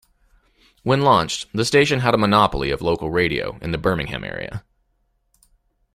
When launched, the station had a monopoly of local radio in the Birmingham area.